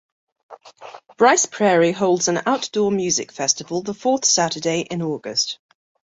Brice Prairie holds an outdoor music festival the fourth Saturday in August.